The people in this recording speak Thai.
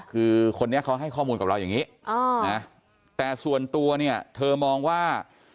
คือคนนี้เขาให้ข้อมูลกับเราอย่างนี้แต่ส่วนตัวเนี่ยเธอมองว่า